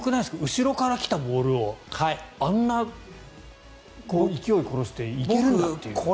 後ろから来たボールをあんな勢い殺して行けるんだという。